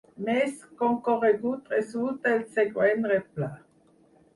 Més concorregut resulta el següent replà.